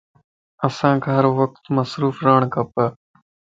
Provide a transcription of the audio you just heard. انسانک ھر وقت مصروف رھڻ کپ